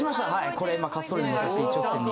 これ今滑走路に向かって一直線に。